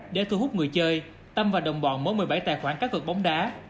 để thu hút người chơi tâm và đồng bọn mở một mươi bảy tài khoản cá cực bóng đá